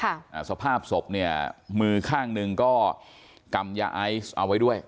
อ่าสภาพศพเนี่ยมือข้างหนึ่งก็กำยาไอซ์เอาไว้ด้วย